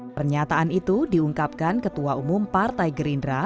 pernyataan itu diungkapkan ketua umum partai gerindra